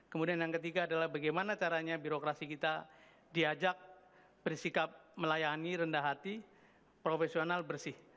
kemudian yang ketiga adalah bagaimana caranya birokrasi kita diajak bersikap melayani rendah hati profesional bersih